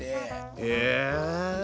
へえ。